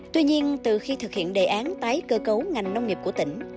tuy nhiên từ khi thực hiện đề án tái cơ cấu ngành nông nghiệp của tỉnh